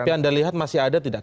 tapi anda lihat masih ada tidak